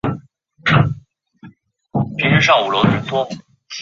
之后又有柠檬黄导致的过敏反应被陆续报道出来。